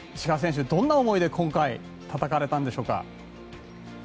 今回、どんな思いで戦われたのでしょうか。